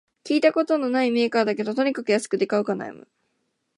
聞いたことないメーカーだけど、とにかく安くて買うか悩む